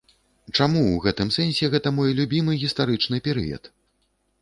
Чаму ў гэтым сэнсе гэта мой любімы гістарычны перыяд?